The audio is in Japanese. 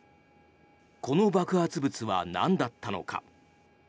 この爆発物はなんだったのか。